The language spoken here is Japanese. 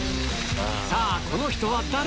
さぁこの人は誰？